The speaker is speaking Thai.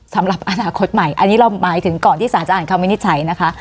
สำหรับอนาคตใหม่อันนี้เราหมายถึงก่อนที่สารจะอ่านคำวินิจฉัยนะคะ